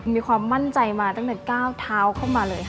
มีความมั่นใจมาตั้งแต่ก้าวเท้าเข้ามาเลยค่ะ